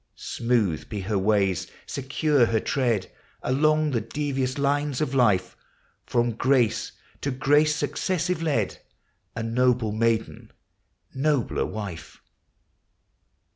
Smooth be her ways, secure her tread Along the devious lines of life, From grace to grace successive led, — A noble maiden, nobler wife!